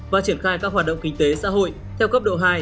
và triển khai các hoạt động kinh tế xã hội theo cấp độ hai